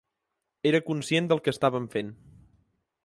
Era conscient del que estàvem fent.